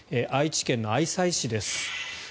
愛知県の愛西市です。